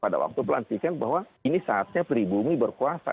pada waktu pelantikan bahwa ini saatnya pribumi berkuasa